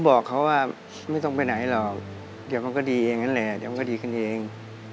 บอกเขาว่าไม่ต้องไปไหนหรอกเดี๋ยวมันก็ดีอย่างนั้นแหละเดี๋ยวมันก็ดีขึ้นเอง